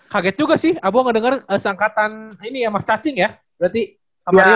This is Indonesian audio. kaget juga sih abu ngedenger sengkatan ini ya mas cacing ya berarti